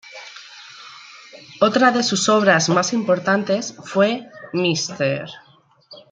Otra de sus obras más importantes fue "Mr.